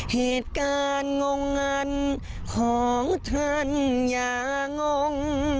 เหตุการณ์งงันของท่านอย่างงง